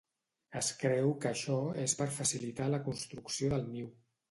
Es creu que això és per facilitar la construcció del niu.